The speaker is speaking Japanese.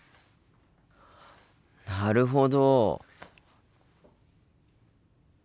なるほど。